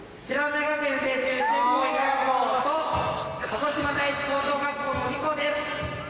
鹿児島第一高等学校の２校です。